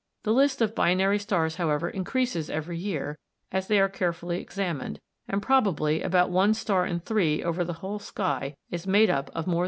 The list of binary stars, however, increases every year as they are carefully examined, and probably about one star in three over the whole sky is made up of more than one sun.